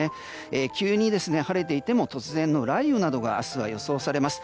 急に晴れていても突然の雷雨などが明日は予想されます。